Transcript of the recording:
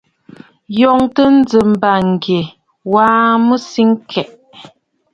Ǹyòŋtə njɨm bàŋgyɛ̀, Ŋ̀gwaa Besǐkɔ̀ʼɔ̀.